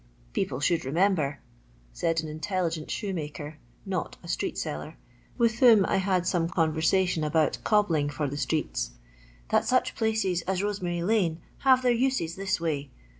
People should remember," said an intelligent shoemaker (not a street seller) with whom I had some conversation about cobbling for the streets, "that such places as Rosemary lane have their uses this way.